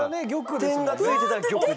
はい点がついてたら玉で。